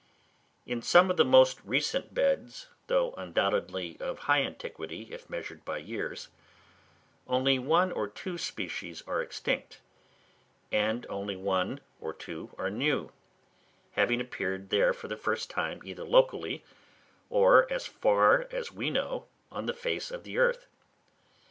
In some of the most recent beds, though undoubtedly of high antiquity if measured by years, only one or two species are extinct, and only one or two are new, having appeared there for the first time, either locally, or, as far as we know, on the face of the earth.